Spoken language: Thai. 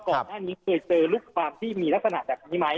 ก่อนหน้านี้เคยเจอลูกความที่มีลักษณะแบบนี้ไหม